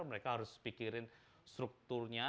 mereka harus pikirin strukturnya